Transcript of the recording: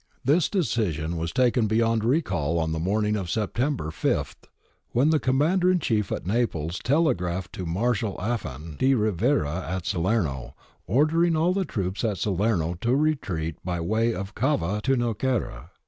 This decision was taken beyond recall on the morning of September 5, when the com mander in chief at Naples telegraphed to Marshal Afan de Rivera at Salerno, ordering all the troops at Salerno to retreat by way of Cava to Nocera.